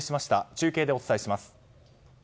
中継でお伝えします。